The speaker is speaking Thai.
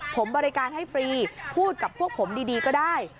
ผมบริการให้ฟรีพูดกับพวกผมดีก็ได้